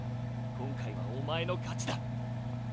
今回はお前の勝ちだ。